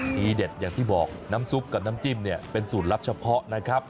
ทีเด็ดอย่างที่บอกน้ำซุปกับน้ำจิ้มเนี่ยเป็นสูตรลับเฉพาะนะครับ